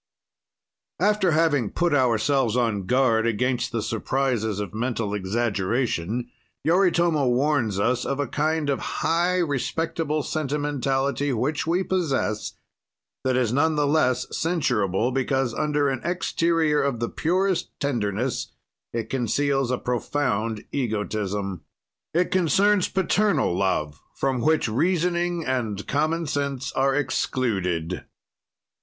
After having put ourselves on guard against the surprizes of mental exaggeration, Yoritomo warns us of a kind of high respectable sentimentality which we possess, that is none the less censurable because under an exterior of the purest tenderness it conceals a profound egotism. It concerns paternal love from which reasoning and common sense are excluded.